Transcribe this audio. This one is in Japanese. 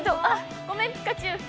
◆ごめん、ピカチュウ。